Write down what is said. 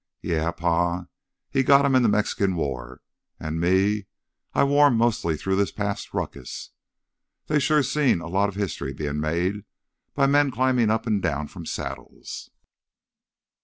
Yeah, Pa, he got 'em in the Mexican War, an' me, I wore 'em mostly through this past ruckus. They's sure seen a lotta history bein' made by men climbin' up an' down from saddles!"